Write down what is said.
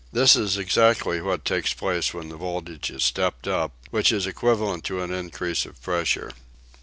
This is exactly what takes place when the voltage is "stepped up," which is equivalent to an increase of pressure.